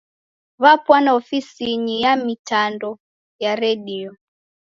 W'apwana ofisinyi ya mitambo ya redio.